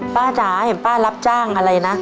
จ๋าเห็นป้ารับจ้างอะไรนะ